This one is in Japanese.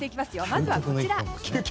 まずはこちら。